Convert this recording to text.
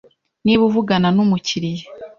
Niba uvugana n’umukiriya,